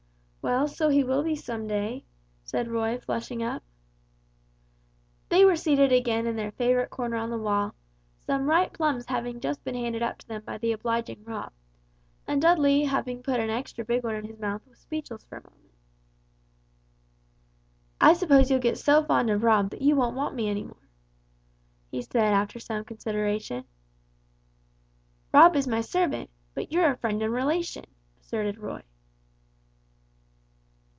"Well, so he will be one day," returned Roy, flushing up. They were seated again in their favorite corner on the wall, some ripe plums having just been handed up to them by the obliging Rob, and Dudley having put an extra big one in his mouth was speechless for a moment. "I suppose you'll get so fond of Rob, that you won't want me any longer," he said, after some consideration. "Rob is my servant, but you're a friend and relation," asserted Roy.